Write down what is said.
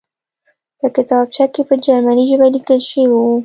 په کتابچه کې په جرمني ژبه لیکل شوي وو